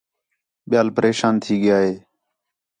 ٻِیال پریشان تھی ڳِیا ہِے